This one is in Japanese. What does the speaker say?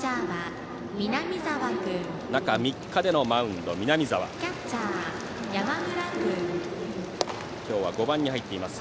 中３日でのマウンド、南澤です。